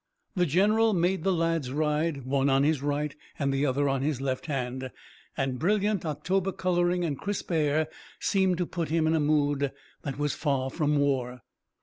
The general made the lads ride, one on his right and the other on his left hand, and brilliant October coloring and crisp air seemed to put him in a mood that was far from war.